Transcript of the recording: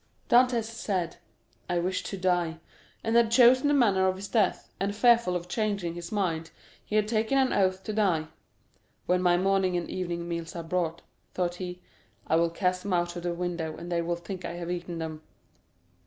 Dantès said, "I wish to die," and had chosen the manner of his death, and fearful of changing his mind, he had taken an oath to die. "When my morning and evening meals are brought," thought he, "I will cast them out of the window, and they will think that I have eaten them."